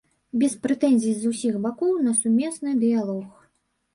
Без прэтэнзій з усіх бакоў на сумесны дыялог.